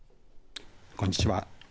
こんにちは。